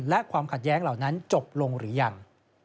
และความขัดแย้งเหล่านั้นจบลงหรือยัง